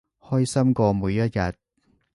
開心過每一日